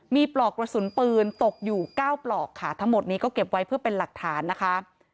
มีปลอกกระสุนปืนตกอยู่๙ปลอกค่ะทั้งหมดนี้ก็เก็บไว้เพื่อเป็นหลักฐานนะคะ